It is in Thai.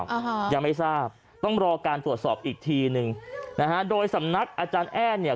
อ่าฮะยังไม่ทราบต้องรอการตรวจสอบอีกทีหนึ่งนะฮะโดยสำนักอาจารย์แอ้นเนี่ย